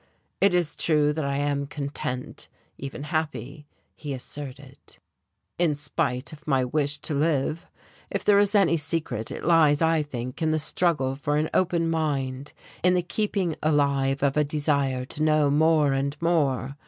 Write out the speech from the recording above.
"It is true that I am content, even happy," he asserted, "in spite of my wish to live. If there is any secret, it lies, I think, in the struggle for an open mind, in the keeping alive of a desire to know more and more.